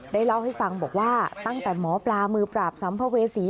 เล่าให้ฟังบอกว่าตั้งแต่หมอปลามือปราบสัมภเวษี